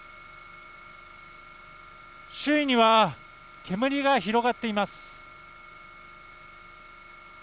周囲には煙が広がっています。